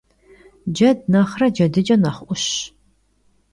Ced nexhre cedıç'e nexh 'Uşş.